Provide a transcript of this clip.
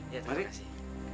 ya terima kasih